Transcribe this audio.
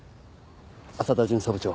朝田巡査部長。